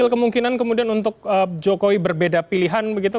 kemungkinan kemudian untuk jokowi berbeda pilihan begitu